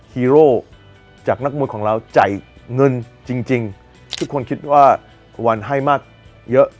ฮีโร่จากนักมวยของเราจ่ายเงินจริงทุกคนคิดว่าวันให้มากเยอะ